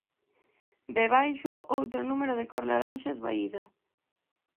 Debaixo outro número de cor laranxa esvaída.